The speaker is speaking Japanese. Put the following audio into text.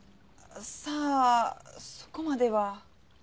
さあそこまでは。